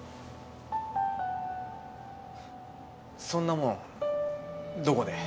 そんなものどこで。